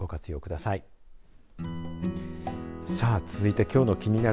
さあ、続いてきょうのキニナル！